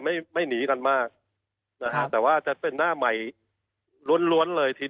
ไม่ไม่หนีกันมากนะฮะแต่ว่าจะเป็นหน้าใหม่ล้วนล้วนเลยที